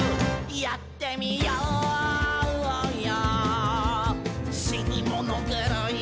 「やってみようよ」